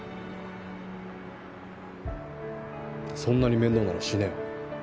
そんなに面倒なら死ねよ。